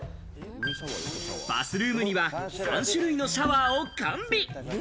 バスルームには３種類のシャワーを完備。